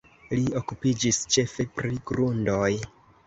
Li okupiĝis ĉefe pri grundoj.